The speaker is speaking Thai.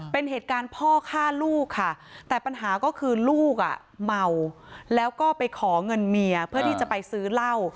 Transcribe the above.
เป็นเหตุการณ์พ่อฆ่าลูกค่ะแต่ปัญหาก็คือลูกอ่ะเมาแล้วก็ไปขอเงินเมียเพื่อที่จะไปซื้อเหล้า